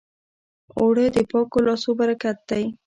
اوړه د پاکو لاسو برکت دی